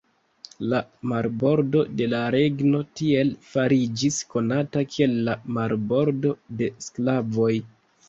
La marbordo de la regno tiel fariĝis konata kiel la "Marbordo de sklavoj".